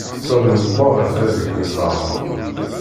Tom i meqqer ɣef baba-k deg leεmer.